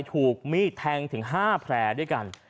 ถูกมีดแทงถึง๕แผลด้วยกัน